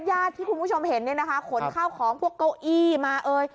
ญาติที่คุณผู้ชมเห็นเนี่ยนะคะขนข้าวของพวกเก้าอี้มาเอ่ย